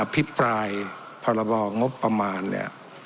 พรบงบประมาณเนี่ย